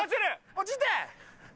落ちて。